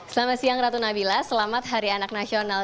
selamat siang ratu nabila selamat hari anak nasional